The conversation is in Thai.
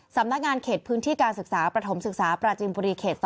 สำนักงานเขตพื้นที่การศึกษาประถมศึกษาปราจินบุรีเขต๒